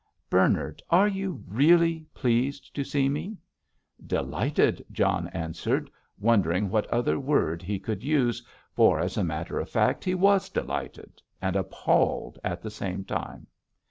"Bernard, are you really pleased to see me?" "Delighted," John answered, wondering what other word he could use, for, as a matter of truth, he was delighted and appalled at the same time.